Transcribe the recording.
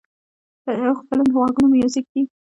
فلم د غوږونو میوزیک دی